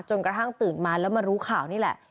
กระทั่งตื่นมาแล้วมารู้ข่าวนี่แหละ